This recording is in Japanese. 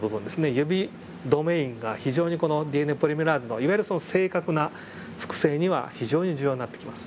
指ドメインが非常にこのＤＮＡポリメラーゼのいわゆる正確な複製には非常に重要になってきます。